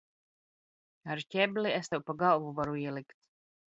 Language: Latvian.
Ar ?ebli es Tev pa galvu varu ielikt!